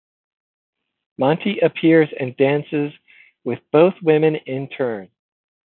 Monty appears and dances with both women in turn.